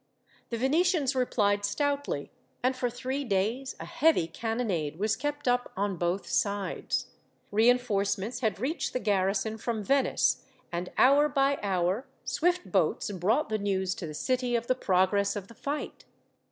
The Venetians replied stoutly, and for three days a heavy cannonade was kept up on both sides. Reinforcements had reached the garrison from Venice, and, hour by hour, swift boats brought the news to the city of the progress of the fight.